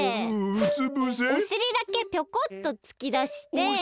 おしりだけぴょこっとつきだして。